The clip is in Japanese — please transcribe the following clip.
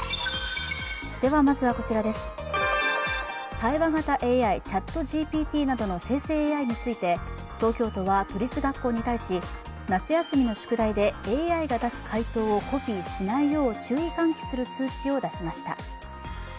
対話型ＡＩ、ＣｈａｔＧＰＴなどの生成ＡＩについて東京都は都立学校に対し、夏休みの宿題でＡＩが出す回答をコピーしないよう注意喚起する通知を出しました。